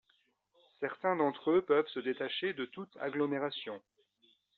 Certains d'entre eux peuvent se détacher de toute agglomération.